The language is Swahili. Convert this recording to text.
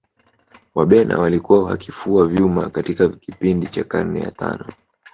Wabena walikuwa wakifua vyuma katika kipindi cha karne ya tano